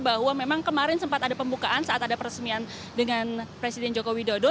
bahwa memang kemarin sempat ada pembukaan saat ada peresmian dengan presiden joko widodo